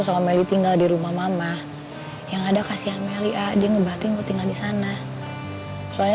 sama meli tinggal di rumah mama yang ada kasihan meli dia ngebahatin gue tinggal di sana soalnya